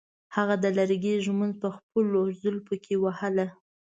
هغې د لرګي ږمنځ په خپلو زلفو کې وهله.